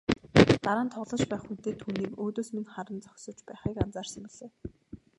Дараа нь тоглож байх үедээ түүнийг өөдөөс минь харан зогсож байхыг анзаарсан билээ.